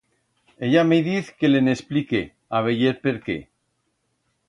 Ella me diz que le'n expllique a veyer per qué.